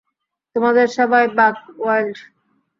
তোমাদের সেবায়, বাক ওয়াইল্ড।